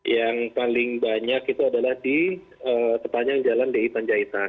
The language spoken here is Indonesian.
yang paling banyak itu adalah di sepanjang jalan di panjaitan